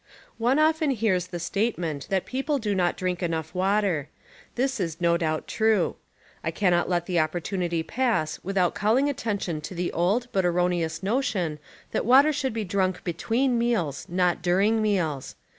One often hears the statement that peojile do not drink enough water. This is no doubt true. I cannot let the o))i)ortunity pass without call ing attention to the old but erroneous notion that water should be drunk between meals, not during meals.